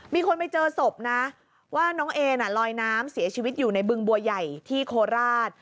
มีคนไปเจอศพนะว่าน้องเอน่ะลอยน้ำเสียชีวิตอยู่ในบึงบัวใหญ่ที่โคราช